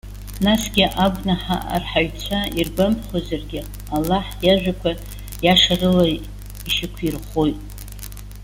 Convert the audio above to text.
Насгьы агәнаҳа арҳаҩцәа иргәамԥхозаргьы, Аллаҳ, иажәақәа иашарыла ишьақәирӷәӷәоит.